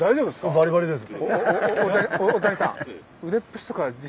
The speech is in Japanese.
バリバリです。